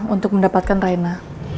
untuk mendapatkan reina